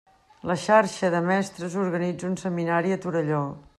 La xarxa de mestres organitza un seminari a Torelló.